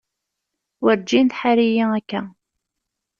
Werǧin tḥar-iyi akka.